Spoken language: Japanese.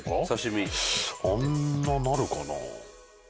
あんななるかな？